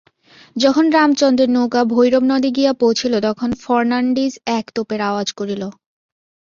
যখন রামচন্দ্রের নৌকা ভৈরব নদে গিয়া পৌছিল তখন ফর্নান্ডিজ এক তোপের আওয়াজ করিল।